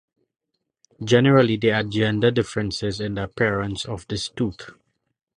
Generally, there are gender differences in the appearance of this tooth.